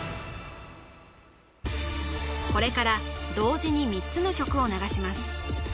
これから同時に３つの曲を流します